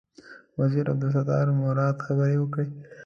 وزیر عبدالستار مراد خبرې وکړې.